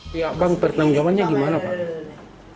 pihak bang pertengung jawabannya gimana pak